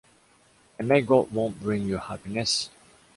And may God want bring you happiness.